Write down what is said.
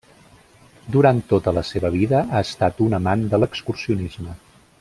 Durant tota la seva vida ha estat un amant de l'excursionisme.